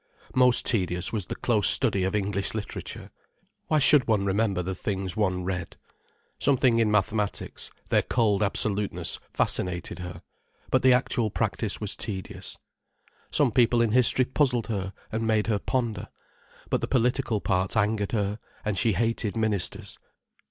Most tedious was the close study of English literature. Why should one remember the things one read? Something in mathematics, their cold absoluteness, fascinated her, but the actual practice was tedious. Some people in history puzzled her and made her ponder, but the political parts angered her, and she hated ministers.